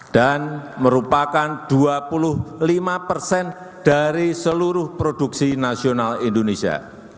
dan merupakan dua puluh lima persen dari seluruh produksi nasional indonesia